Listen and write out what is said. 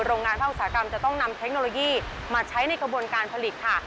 โรงงานภาคอุตสาหกรรมจะต้องนำเทคโนโลยีมาใช้ในกระบวนการผลิตค่ะ